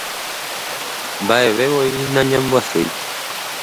Mbaʼevevoi nañambyasýi.